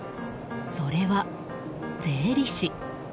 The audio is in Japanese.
それは税理士。